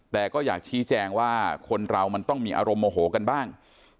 แต่ก็อยากชี้แจงว่าคนเรามันต้องมีอารมณ์โมโหกันบ้าง